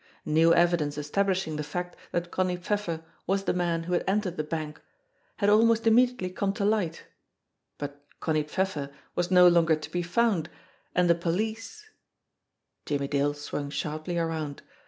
New evidence establishing the fact that Connie Pfeffer was the man who had entered the bank had almost immediately come to light, but Connie Pfeffer was no longer to be found, and the police Jimmie Dale swung sharply around.